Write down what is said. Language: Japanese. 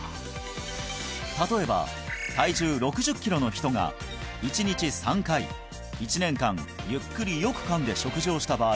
例えば体重６０キロの人が１日３回１年間ゆっくりよく噛んで食事をした場合